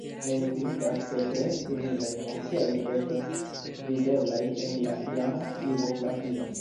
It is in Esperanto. Menciindas, ke tre similaj moskeoj estas videblaj en la iama Jugoslavio.